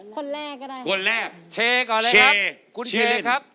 คนแรกก็ได้ครับคนแรกคุณเช่ก่อนเลยครับคุณเช่คุณเช่ครับ